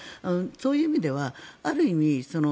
そういう意味ではある意味